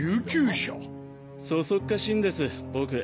そそっかしいんです僕。